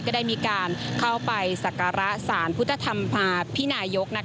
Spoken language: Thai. ก็ได้มีการเข้าไปสักการะสารพุทธธรรมภาพินายก